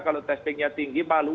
kalau testingnya tinggi malu